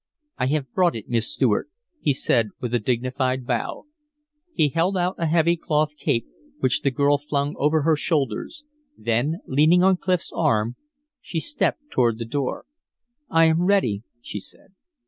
"I have brought it, Miss Stuart," he said, with a dignified bow. He held out a heavy cloth cape, which the girl flung over her shoulders; then, leaning on Clif's arm, she stepped toward the door. "I am ready," she said.